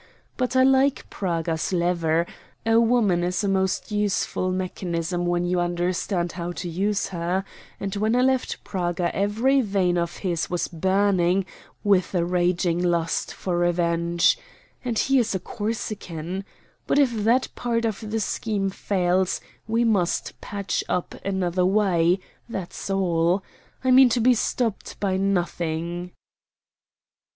But I like Praga's lever a woman is a most useful mechanism when you understand how to use her; and when I left Praga every vein of his was burning with a raging lust for revenge. And he is a Corsican. But if that part of the scheme fails, we must patch up another way, that's all. I mean to be stopped by nothing."